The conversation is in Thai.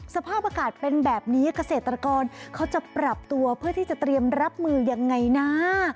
สภาพอากาศเป็นแบบนี้เกษตรกรเขาจะปรับตัวเพื่อที่จะเตรียมรับมือยังไงนะ